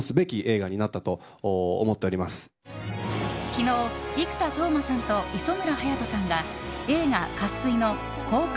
昨日、生田斗真さんと磯村勇斗さんが映画「渇水」の公開